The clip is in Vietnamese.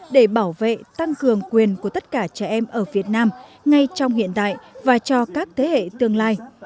để bảo vệ tăng cường quyền của tất cả trẻ em ở việt nam ngay trong hiện tại và cho các thế hệ tương lai